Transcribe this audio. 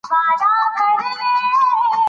شفافه اړیکه د غلط فهمۍ مخه نیسي.